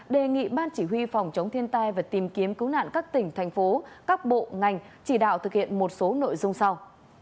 đề nghị ban chỉ huy phòng chống thiên tai và tìm kiếm cứu nạn các tỉnh thành phố các bộ ngành chỉ đạo thực hiện một số nội dung sau